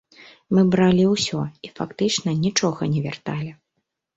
Мы бралі ўсё і фактычна нічога не вярталі.